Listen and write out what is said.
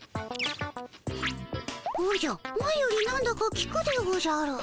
おじゃ前よりなんだかきくでおじゃる。